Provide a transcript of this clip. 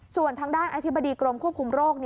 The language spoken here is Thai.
ส่วนทางด้านอธิบดีกรมควบคุมโรค